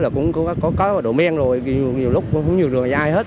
cũng có đồ men rồi nhiều lúc không nhường ai hết